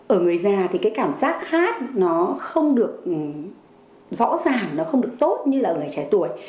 ở người già thì cái cảm giác hát nó không được rõ ràng nó không được tốt như là ở người trẻ tuổi